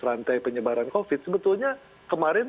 rantai penyebaran covid sebetulnya kemarin